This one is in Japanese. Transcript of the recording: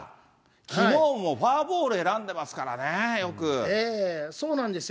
きのうもフォアボール選んでますそうなんですよ。